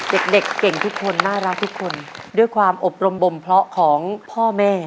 เด็กเด็กเก่งทุกคนน่ารักทุกคนด้วยความอบรมบมเพราะของพ่อแม่